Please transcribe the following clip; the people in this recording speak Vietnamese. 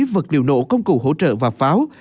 vật liệu nổ công cụ hỗ trợ và pháo